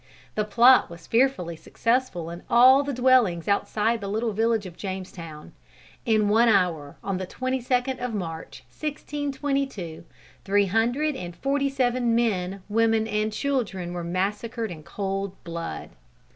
The plot was fearfully successful in all the dwellings outside the little village of Jamestown. In one hour, on the 22nd of March, 1622, three hundred and forty seven men, women and children were massacred in cold blood.